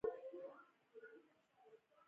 پنیر څنګه جوړیږي؟